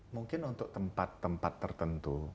mungkin untuk tempat tempat tertentu